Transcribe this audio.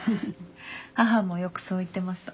母もよくそう言ってました。